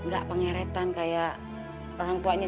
gak pengeretan kayak orang tuanya